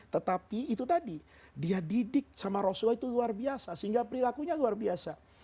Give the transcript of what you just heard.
tetapi itu tadi dia didik sama rasulullah itu luar biasa sehingga perilakunya luar biasa